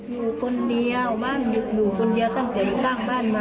อยู่คนเดียวบ้านหยุดอยู่คนเดียวตั้งแต่สร้างบ้านมา